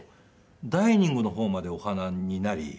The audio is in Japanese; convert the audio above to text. ダイニングの方までお花になり。